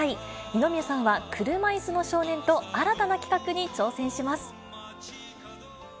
二宮さんは車いすの少年と、新たな企画に挑戦します。